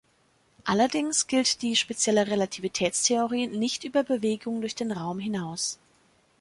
Allerdings gilt die spezielle Relativitätstheorie nicht über Bewegung durch den Raum hinaus.